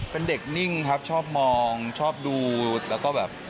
เป็นเด็กนิ่งครับชอบมองชอบดูแล้วก็แบบ